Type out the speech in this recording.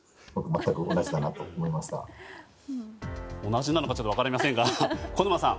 同じなのか分かりませんが小沼さん